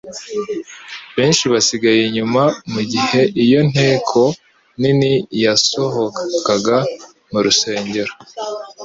Benshi basigaye inyuma mu gihe iyo nteko nini yasohokaga mu rusengero,